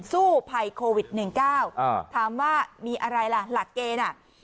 สู้ภัยโควิด๑๙ถามว่ามีอะไรล่ะหลักเกณฑ์อ่ะ